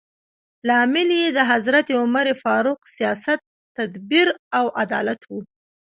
لامل یې د حضرت عمر فاروق سیاست، تدبیر او عدالت و.